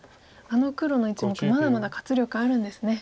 あの黒の１目まだまだ活力あるんですね。